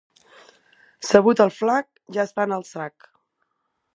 Sabut el flac, ja està en el sac.